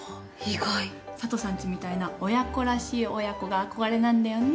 佐都さんちみたいな親子らしい親子が憧れなんだよね。